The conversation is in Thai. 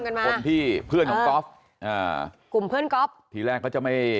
มาคนที่เพื่อนของก๊อฟอ่ากลุ่มเพื่อนก๊อฟทีแรกเขาจะไม่